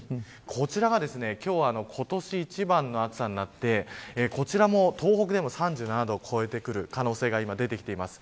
こちらが今日は今年一番の暑さになってこちらも東北でも３７度を超えてくる可能性が今、出てきています。